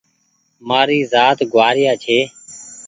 مآري زآت گوآريآ ڇي